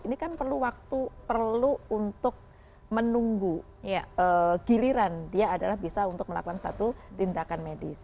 ini kan perlu waktu perlu untuk menunggu giliran dia adalah bisa untuk melakukan suatu tindakan medis